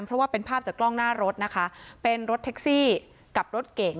เพราะว่าเป็นภาพจากกล้องหน้ารถนะคะเป็นรถแท็กซี่กับรถเก่ง